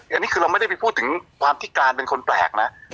อันนี้คือเราไม่ได้ไปพูดถึงความที่การเป็นคนแปลกนะ